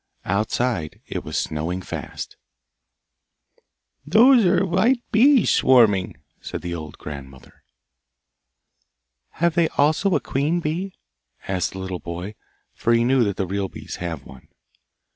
Outside it was snowing fast. 'Those are the white bees swarming,' said the old grandmother. 'Have they also a queen bee?' asked the little boy, for he knew that the real bees have one.